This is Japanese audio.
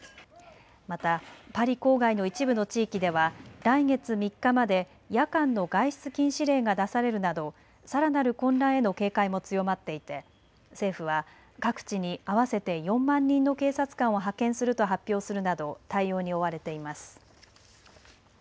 また、パリ郊外の一部の地域では来月３日まで夜間の外出禁止令が出されるなどさらなる混乱への警戒も強まっていて政府は各地に合わせて４万人の警察官を派遣すると発表するなど対応に追われています。